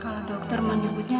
kalau dokter menyebutnya